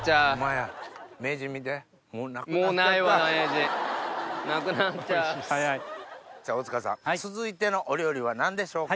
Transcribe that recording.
じゃあ大塚さん続いてのお料理は何でしょうか？